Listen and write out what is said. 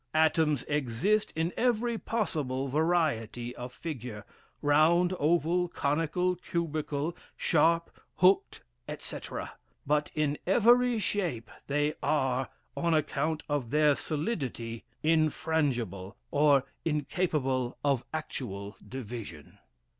Atoms exist in every possible variety of figure round, oval, conical, cubical, sharp, hooked, etc. But in every shape, they are, on account of their solidity, infrangible, or incapable of actual division.